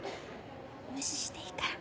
無視していいから。